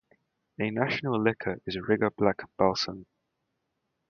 A national liquor is Riga Black Balsam.